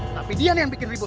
tapi dia nih yang bikin ribut